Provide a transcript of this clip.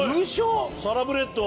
サラブレッド！